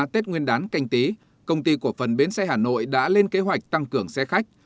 tết nguyên đán canh tí công ty cổ phần bến xe hà nội đã lên kế hoạch tăng cường xe khách